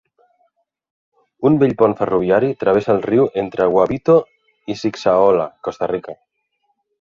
Un vell pont ferroviari travessa el riu entre Guabito i Sixaola, Costa Rica.